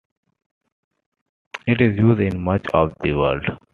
It is used in much of the world.